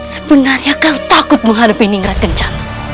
sebenarnya kau takut menghadapi ngerat kencana